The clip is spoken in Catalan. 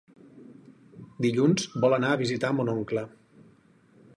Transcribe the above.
Dilluns vol anar a visitar mon oncle.